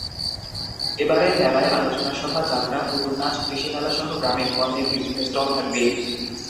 এবারের মেলায় আলোচনা সভা, যাত্রা, পুতুলনাচ, কৃষিমেলাসহ গ্রামীণ পণ্যের বিভিন্ন স্টল থাকবে।